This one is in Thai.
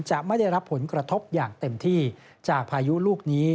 จะไม่ได้รับผลกระทบอย่างเต็มที่จากพายุลูกนี้